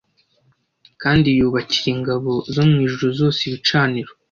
Kandi yubakira ingabo zo mu ijuru zose ibicaniro